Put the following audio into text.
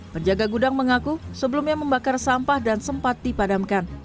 penjaga gudang mengaku sebelumnya membakar sampah dan sempat dipadamkan